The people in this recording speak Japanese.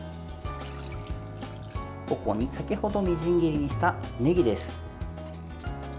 ここに先ほどみじん切りにしたねぎです。